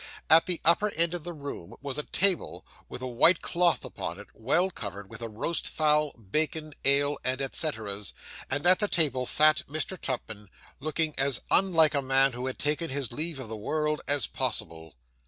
At the upper end of the room was a table, with a white cloth upon it, well covered with a roast fowl, bacon, ale, and et ceteras; and at the table sat Mr. Tupman, looking as unlike a man who had taken his leave of the world, as possible.